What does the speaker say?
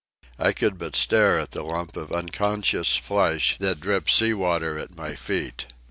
I could but stare at the lump of unconscious flesh that dripped sea water at my feet.